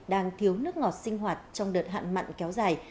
đang thiếu nước ngọt sinh hoạt trong đợt hạn mặn kéo dài